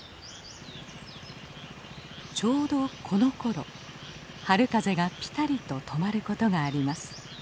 ちょうどこのころ春風がぴたりと止まることがあります。